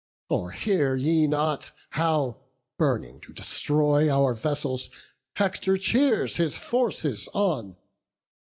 Or hear ye not, how, burning to destroy Our vessels, Hector cheers his forces on?